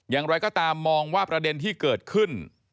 อย่างไรก็ตามมองว่าประเด็นที่เกิดขึ้น